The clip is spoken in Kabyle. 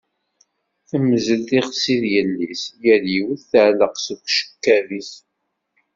Temmzel tixsi d yelli-s, yal yiwet tɛelleq seg ucekkab-is.